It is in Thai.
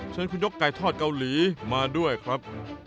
เชิญคุณนกไก่ทอดเกาหลีมาด้วยครับ